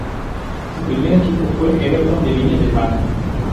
Su primer equipo fue Everton de Viña del Mar.